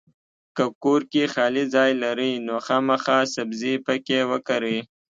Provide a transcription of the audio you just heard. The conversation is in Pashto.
کۀ کور کې خالي ځای لرئ نو خامخا سبزي پکې وکرئ!